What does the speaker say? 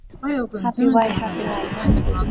Happy wife, happy life.